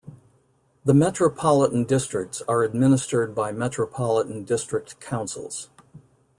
The metropolitan districts are administered by metropolitan district councils.